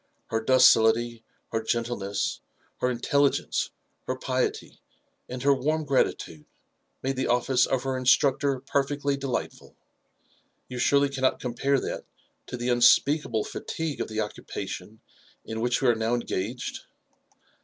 Her docility, her gentleness, her intelligence, her piety, and her warm gratitude, made the office of her instructor perfectly delightful. You surely cannot compare that to the unspeakable fatigue of the occupation in which we are now engaged